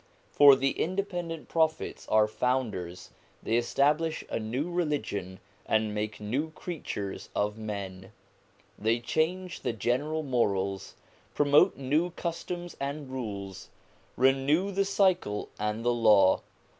For the independent Prophets are founders; they establish a new religion and make new creatures of men; they change the general morals, promote new customs and rules, renew the cycle and the Law.